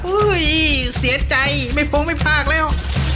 อุ้ยเสียใจไม่พงไม่พาขแล้ว